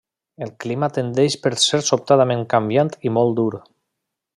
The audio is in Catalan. El clima tendeix per ser sobtadament canviant i molt dur.